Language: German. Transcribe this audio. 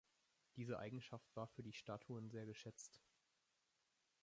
Diese Eigenschaft war für die Statuen sehr geschätzt.